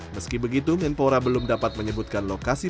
meski begitu kemenpora belum dapat menyebutkan lokasi turnamennya